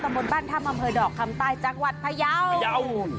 ต่ำบนบ้านถ้ำทัมเผอดอกเข็มตายจังหวัดพยาว